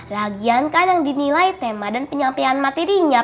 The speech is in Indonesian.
lagian kan yang dinilai tema dan penyampaian materinya